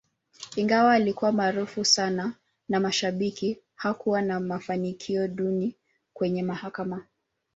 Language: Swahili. Ingawa alikuwa maarufu sana na mashabiki, hakuwa na mafanikio duni kwenye mahakama.